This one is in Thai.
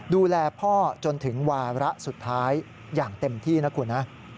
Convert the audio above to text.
ดูแลพ่อจนถึงวาระสุดท้ายอย่างเต็มที่นะคุณนะ